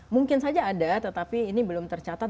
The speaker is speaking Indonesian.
mungkin saja ada tetapi ini belum tercatat